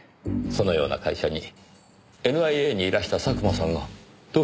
そのような会社にＮＩＡにいらした佐久間さんがどうして？